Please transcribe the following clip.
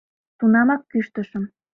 Тунамак кӱштышым: